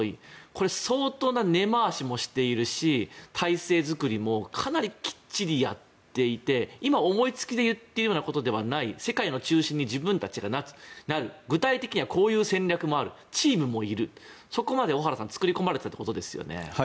これは相当な根回しもしているし体制作りもかなりきっちりやっていて今思い付きで言っているようなことではない世界の中心に自分たちがなる具体的にはこういう戦略もあるチームもあるそこまで作り込まれていますね。